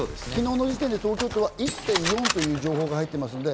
昨日の時点で東京都は１．４という情報が入っています。